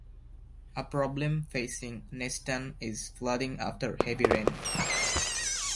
A problem facing Nesttun is flooding after heavy rain.